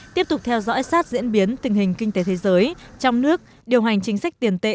tiếp tục theo dõi sát diễn biến tình hình kinh tế thế giới trong nước điều hành chính sách tiền tệ